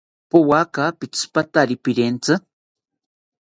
Powaka pitzipatari pirentzi